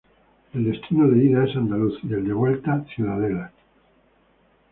El destino de ida es Andaluz y el de vuelta Ciudadela.